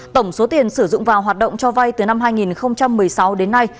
tổng số tiền sử dụng vào hoạt động cho vay từ năm hai nghìn một mươi sáu đến nay